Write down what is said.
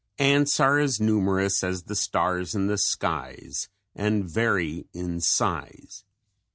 Ants are as numerous as the stars in the skies and vary in size.